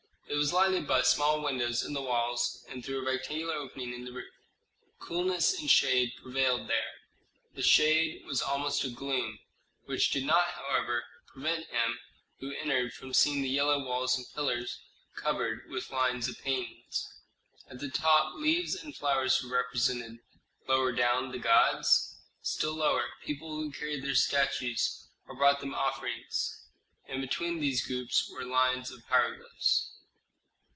It was lighted by small windows in the walls and through a rectangular opening in the roof. Coolness and shade prevailed there; the shade was almost a gloom, which did not, however, prevent him who entered from seeing the yellow walls and pillars, covered with lines of paintings. At the top leaves and flowers were represented; lower down, the gods; still lower, people who carried their statues or brought them offerings; and between these groups were lines of hieroglyphs.